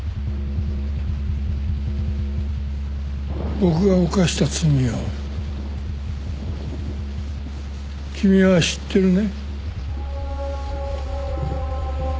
僕が犯した罪を君は知ってるね。